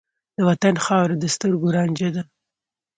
د وطن خاوره د سترګو رانجه ده.